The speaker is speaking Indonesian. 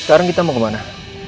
sekarang kita mau kemana